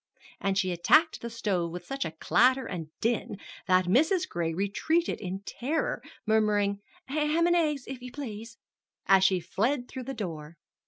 And she attacked the stove with such a clatter and din that Mrs. Gray retreated in terror, murmuring "ham and eggs, if you please," as she fled through the door.